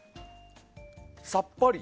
さっぱり。